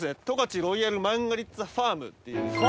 十勝ロイヤルマンガリッツァファームっていう。